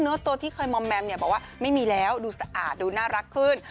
ตัวที่เคยมอมแมมเนี่ยบอกว่าไม่มีแล้วดูสะอาดดูน่ารักขึ้น